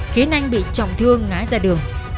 khiến anh bị trọng thương ngã ra đường